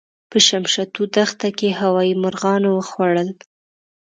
په شمشتو دښته کې هوايي مرغانو وخوړل.